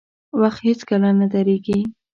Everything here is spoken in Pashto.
• وخت هیڅکله نه درېږي.